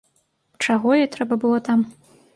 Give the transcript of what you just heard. Чаго ёй трэба было там?